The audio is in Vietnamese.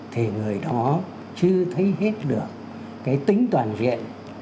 thì người đó chưa thấy hết được cái tính toàn diện